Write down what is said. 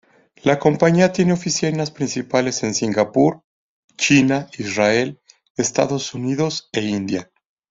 La compañía tiene oficinas principales en Singapur, China, Israel, Estados Unidos e India.